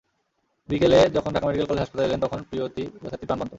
বিকেলে যখন Dhaka medical college হাসপাতালে এলেন, তখন প্রিয়তি যথারীতি প্রাণবন্ত।